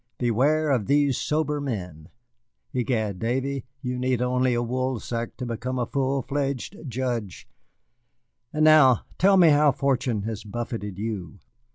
Beware of these sober men. Egad, Davy, you need only a woolsack to become a full fledged judge. And now tell me how fortune has buffeted you."